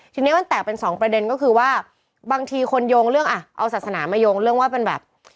ทีนี้มันแตกเป็นสองประเด็นก็คือว่าบางทีคนโยงเรื่องอ่ะเอาศาสนามาโยงเรื่องว่าเป็นแบบ